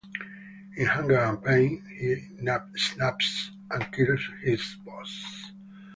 In anger and pain, he snaps and kills his boss.